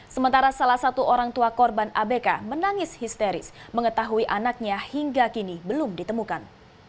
sementara salah satu orang tua korban abk menangis histeris mengetahui anaknya hingga kini belum ditemukan